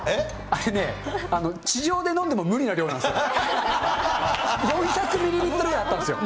あれね、地上で飲んでも無理な量なんですよ。